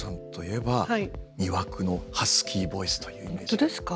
本当ですか？